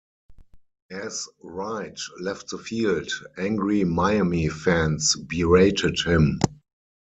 As Wright left the field, angry Miami fans berated him.